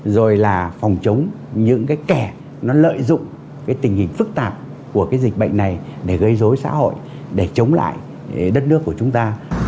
rồi là phòng chống những cái kẻ nó lợi dụng cái tình hình phức tạp của cái dịch bệnh này để gây dối xã hội để chống lại đất nước của chúng ta